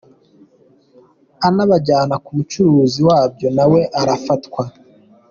anabajyana ku mucuruzi wabyo na we arafatwa.